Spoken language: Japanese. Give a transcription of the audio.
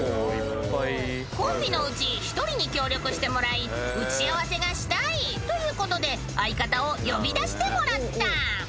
［コンビのうち１人に協力してもらい「打ち合わせがしたい」ということで相方を呼び出してもらった］